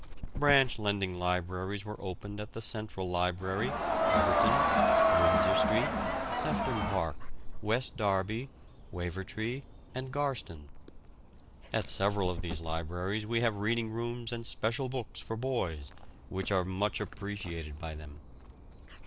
Branch lending libraries were opened at the Central Library, Everton, Windsor Street, Sefton Park, West Derby, Wavertree, and Garston. At several of these libraries we have reading rooms and special books for boys, which are much appreciated by them.